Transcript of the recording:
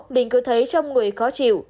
mình cứ thấy trong người khó chịu